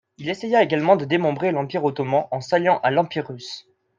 Il essaya également de démembrer l'Empire ottoman en s’alliant à l'Empire russe.